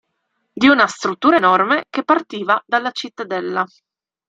Di una struttura enorme che partiva dalla cittadella.